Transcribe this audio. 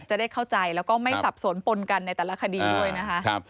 จะได้เข้าใจแล้วก็ไม่สับสนปนกันในแต่ละคดีด้วยนะคะ